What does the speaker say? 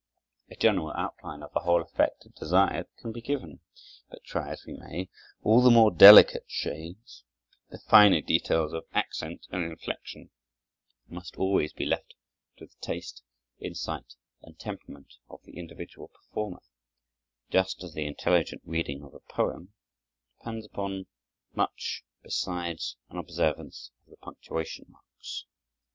A general outline of the whole effect desired can be given; but try as we may, all the more delicate shades, the finer details of accent and inflection, must always be left to the taste, insight, and temperament of the individual performer; just as the intelligent reading of a poem depends upon much besides an observance of the punctuation marks.